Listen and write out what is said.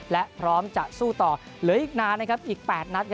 และพร้อมจะสู้ต่อเหลืออีกนานอีก๘นัด